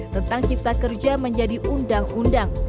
tentang cipta kerja menjadi undang undang